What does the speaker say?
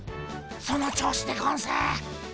その調子でゴンス！